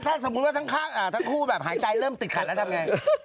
ถ้าสมมุติว่าทั้งคู่แบบหายใจเริ่มติดขัดแล้วทำไง